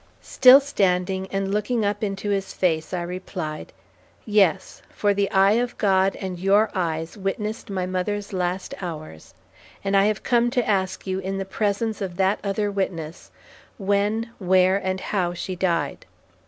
Still standing, and looking up into his face, I replied: "Yes, for the eye of God and your eyes witnessed my mother's last hours, and I have come to ask you, in the presence of that other Witness, when, where, and how she died.